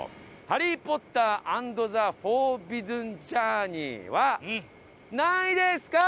ハリー・ポッター・アンド・ザ・フォービドゥン・ジャーニーは何位ですか？